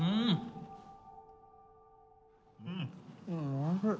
おいしい。